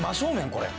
これ。